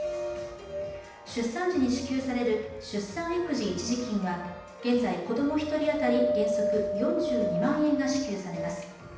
出産時に支給される出産育児一時金は現在、子供一人当たり原則４２万円が支給されます。